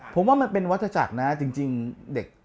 ผมว่ามันเป็นวัฒนาจักรนะจริงเด็ก